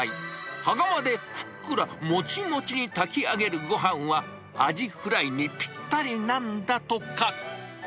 羽釜でふっくら、もちもちに炊き上げるごはんは、アジフライにぴったりなんだとか。